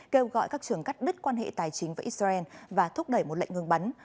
kêu gọi các trường cắt đứt quan hệ tài chính với israel và thúc đẩy một lệnh ngừng bắn